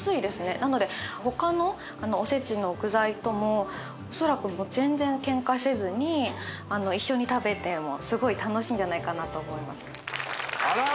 なので他のおせちの具材ともおそらく全然ケンカせずに一緒に食べてもすごい楽しいんじゃないかなと思いますあら！